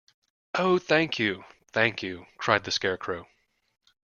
Oh, thank you — thank you! cried the Scarecrow.